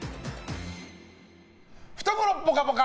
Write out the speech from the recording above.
懐ぽかぽか！